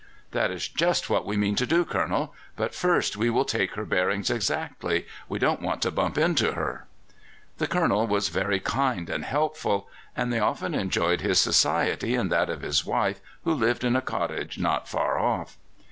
"That is just what we mean to do, Colonel; but first we will take her bearings exactly. We don't want to bump into her." The Colonel was very kind and helpful, and they often enjoyed his society and that of his wife, who lived in a cottage not far off.